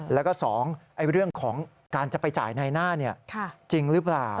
แล้วก็๒เรื่องของการจะไปจ่ายในหน้าจริงหรือเปล่า